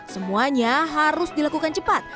semuanya harus dilakukan cepat